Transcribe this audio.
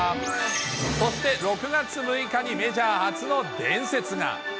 そして６月６日にメジャー初の伝説が。